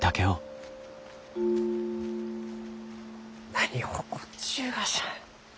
何を怒っちゅうがじゃ？